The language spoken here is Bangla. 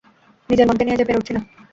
নিজের মনকে নিয়ে যে পেরে উঠছি নে।